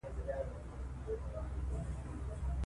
تعليم شوې نجونې د ګډو اهدافو ملاتړ کوي.